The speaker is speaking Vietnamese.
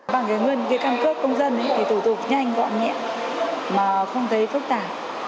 bằng cái nguyên cái căn cước công dân thì tủ tục nhanh gọn nhẹ mà không thấy phức tạp